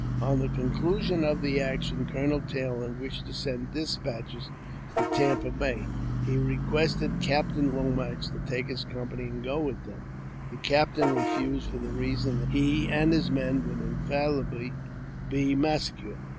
On the conclusion of the action Colonel Taylor wished to send despatches to Tampa Bay. He requested Captain Lomax to take his company and go with them. The captain refused, for the reason that he and his men would infallibly be massacred.